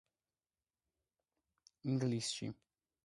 ინგლისში, რომლებიც პარლამენტში წარმომადგენლობით უფლებას ინარჩუნებდნენ.